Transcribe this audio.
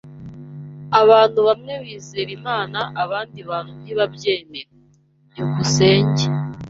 Abantu bamwe bizera Imana abandi bantu ntibabyemera. byukusenge